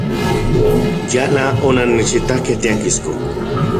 Yala onannechitakej tiankisko.